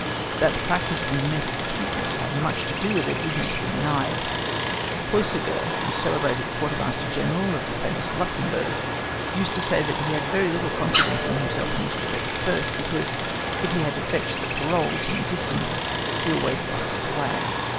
That practice and mental acuteness have much to do with it is not to be denied. Puysegur, the celebrated Quartermaster General of the famous Luxemburg, used to say that he had very little confidence in himself in this respect at first, because if he had to fetch the parole from a distance he always lost his way.